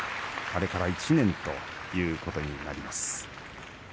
あれから１年ということになります。